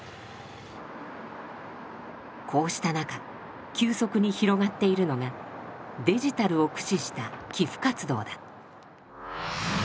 こうした中急速に広がっているのがデジタルを駆使した寄付活動だ。